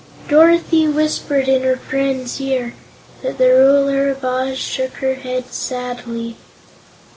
Dorothy whispered in her friend's ear, but the Ruler of Oz shook her head sadly.